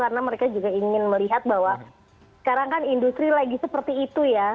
karena mereka juga ingin melihat bahwa sekarang kan industri lagi seperti itu ya